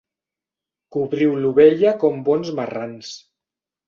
Cobriu l'ovella com bons marrans.